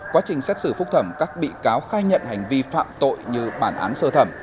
quá trình xét xử phúc thẩm các bị cáo khai nhận hành vi phạm tội như bản án sơ thẩm